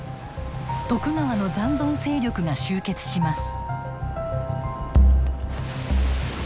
徳川の残存勢力が集結します。